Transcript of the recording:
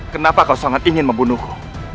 kenapa kau sangat ingin membunuhku